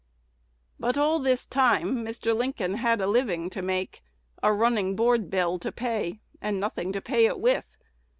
But all this time Mr. Lincoln had a living to make, a running board bill to pay, and nothing to pay it with.